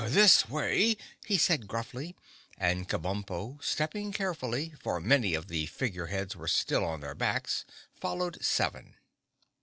"This way," he said gruffly, and Kabumpo, stepping carefully, for many of the Figure Heads were still on their backs, followed Seven.